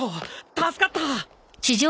助かった！